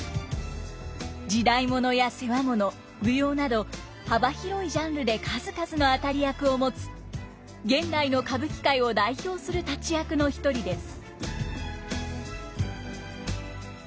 時代物や世話物舞踊など幅広いジャンルで数々の当たり役を持つ現代の歌舞伎界を代表する立役の一人です。